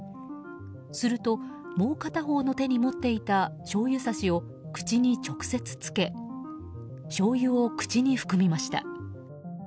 するともう片方の手に持っていたしょうゆ差しを口に直接、つけしょうゆを口に含みました。